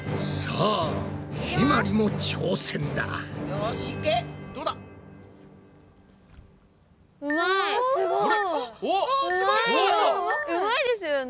うまいですよね。